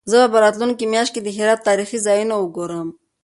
زه به راتلونکې میاشت د هرات تاریخي ځایونه وګورم.